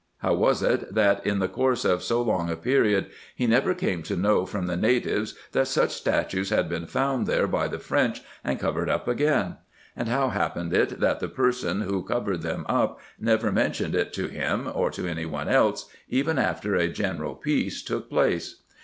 How was it, that, in the course of so long a period, he never came to know from the natives, that such statues had been found there by the French, and covered up again ? and how hap pened it, that the person who covered them up never mentioned it to him, or to any one else, even after a general peace took place